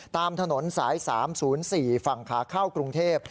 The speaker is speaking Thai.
ตามถนนสาย๓๐๔ฝั่งขาเข้ากรุงเทพ